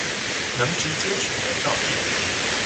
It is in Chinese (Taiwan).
能直接取得照片